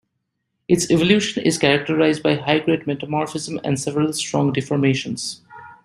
Its evolution is characterized by high-grade metamorphism and several strong deformations.